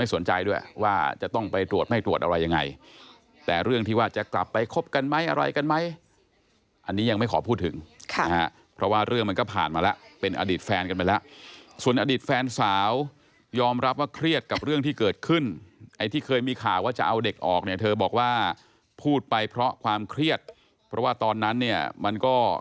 สนใจด้วยว่าจะต้องไปตรวจไม่ตรวจอะไรยังไงแต่เรื่องที่ว่าจะกลับไปคบกันไหมอะไรกันไหมอันนี้ยังไม่ขอพูดถึงค่ะนะฮะเพราะว่าเรื่องมันก็ผ่านมาแล้วเป็นอดีตแฟนกันไปแล้วส่วนอดีตแฟนสาวยอมรับว่าเครียดกับเรื่องที่เกิดขึ้นไอ้ที่เคยมีข่าวว่าจะเอาเด็กออกเนี่ยเธอบอกว่าพูดไปเพราะความเครียดเพราะว่าตอนนั้นเนี่ยมันก็